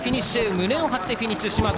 胸を張ってフィニッシュ、嶋津。